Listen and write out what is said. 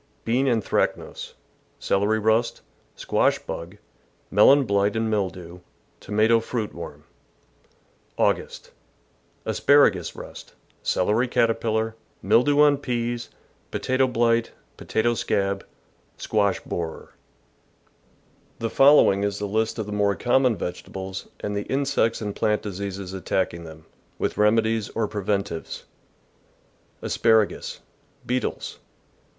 — Bean anthracnose, celery rust, squash bug, melon blight and mildew, tomato fruit worm. August. — Asparagus rust, celery caterpillar, mildew on peas, potato blight, potato scab, squash borer. The following is a list of the more common vege THE GARDEN'S ENEMIES tables and the insects and plant diseases attacking them, with remedies or preventives: Asparagus. — Beetles.